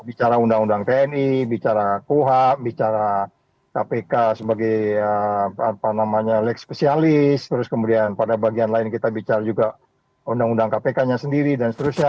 bicara undang undang tni bicara kuhap bicara kpk sebagai leg spesialis terus kemudian pada bagian lain kita bicara juga undang undang kpk nya sendiri dan seterusnya